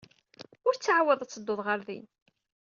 Ur ttɛawad ad tedduḍ ɣer din.